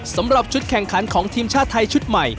สำหรับชุดแข่งขันของทีมชาติไทยชุดใหม่